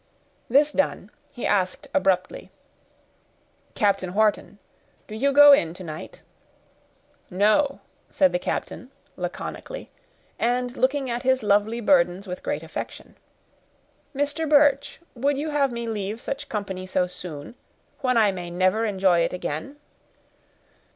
This done, he asked abruptly,— "Captain Wharton, do you go in to night?" "No!" said the captain, laconically, and looking at his lovely burdens with great affection. "Mr. Birch, would you have me leave such company so soon, when I may never enjoy it again?"